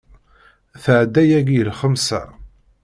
Tɛedda yagi i lxemsa.